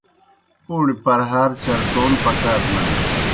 پَوݨیْ پرہار چرٹون پکار نانیْ۔